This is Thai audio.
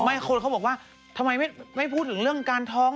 คนเขาบอกว่าทำไมไม่พูดถึงเรื่องการท้อง